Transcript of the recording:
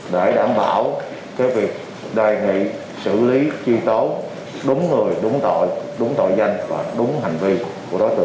để đảm bảo việc đề nghị xử lý chi tố đúng người đúng tội đúng tội danh và đúng hành vi của đối tượng gây ra